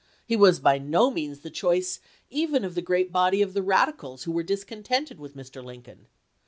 He was by no means the choice even of the great body of the radicals who were discontented with Mr. Lincoln.